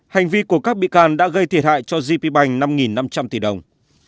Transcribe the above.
hành vi của các bị can đã gây thiệt hại cho gp bành năm năm trăm linh tỷ đồng